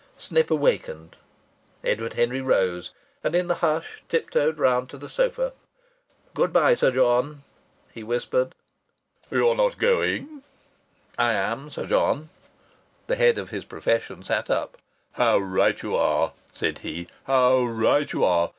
Snip awakened. Edward Henry rose, and, in the hush, tiptoed round to the sofa. "Good bye, Sir John," he whispered. "You're not going?" "I am, Sir John." The head of his profession sat up. "How right you are!" said he. "How right you are!